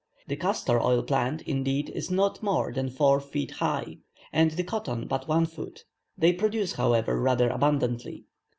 The castor oil plant, indeed, is not more than four feet high, and the cotton but one foot; they produce, however, rather abundantly.